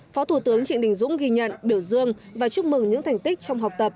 phó thủ tướng trịnh đình dũng ghi nhận biểu dương và chúc mừng những thành tích trong học tập